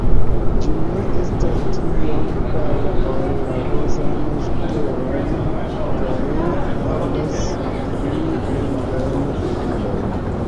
Ĝi ne estas tiom pala ol la Roza ŝterno, kaj havas pli longajn flugilojn.